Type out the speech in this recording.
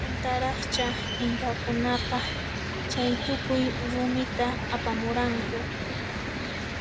Maymantaraqcha inkakunaqa chaytukuy rumita apamuranku?